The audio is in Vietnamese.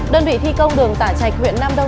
đơn vị thi công đường tả trạch huyện nam đông